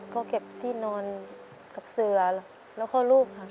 ก็เก็บที่นอนกับเสือแล้วลูกครับ